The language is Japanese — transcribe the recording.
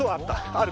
ある